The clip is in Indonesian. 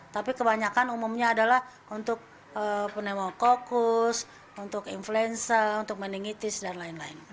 tapi kebanyakan umumnya adalah untuk pneumococcus untuk influenza untuk meningitis dan lain lain